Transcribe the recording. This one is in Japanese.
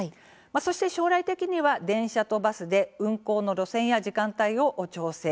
そして、将来的には電車とバスで運行の路線や時間帯を調整。